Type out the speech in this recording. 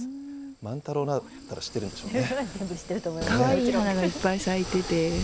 まんたろうだったら知ってるんでしょうね。